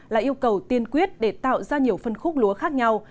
là yêu cầu tiên quyết để tạo ra nhiều phân khúc lúa khác nhau